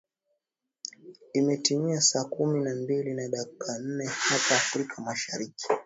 imetimia saa kumi na mbili na dakika nne hapa afrika mashariki